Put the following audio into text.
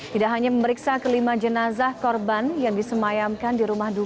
tidak hanya memeriksa kelima jenazah korban yang disemayamkan di rumah duka